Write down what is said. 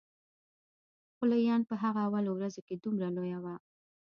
خوله يې ان په هغه اولو ورځو کښې دومره لويه وه.